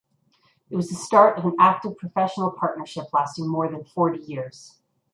It was the start of an active professional partnership lasting more than forty years.